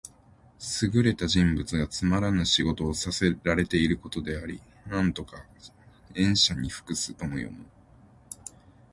優れた人物がつまらぬ仕事をさせらていることである。「驥、塩車に服す」とも読む。